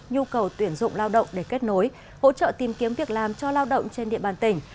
nhu cầu tuyển dụng lao động để kết nối hỗ trợ tìm kiếm việc làm cho lao động trên địa bàn tỉnh